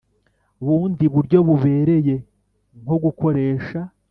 Bundi buryo bubereye nko gukoresha